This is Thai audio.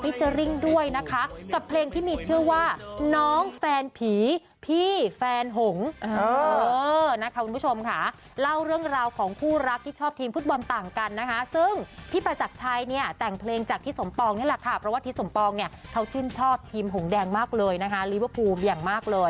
เจอริ่งด้วยนะคะกับเพลงที่มีชื่อว่าน้องแฟนผีพี่แฟนหงนะคะคุณผู้ชมค่ะเล่าเรื่องราวของคู่รักที่ชอบทีมฟุตบอลต่างกันนะคะซึ่งพี่ประจักรชัยเนี่ยแต่งเพลงจากพี่สมปองนี่แหละค่ะเพราะว่าทิศสมปองเนี่ยเขาชื่นชอบทีมหงแดงมากเลยนะคะลิเวอร์พูลอย่างมากเลย